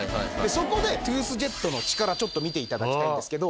そこでトゥースジェットの力ちょっと見て頂きたいんですけど。